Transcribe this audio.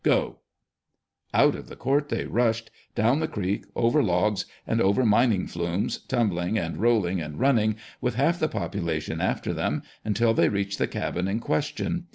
Go !" Out of the court they rushed, down the creek, over logs, and over mining flumes, tumbling and rolling and running, with half the population after them, until they reached the cabin in question.